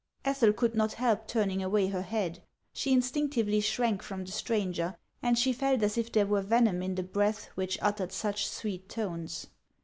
" Ethel could nut help turning away her head ; she in stinctively shrank from the stranger, and she felt as it there were venom in the breath which uttered such sweet tones.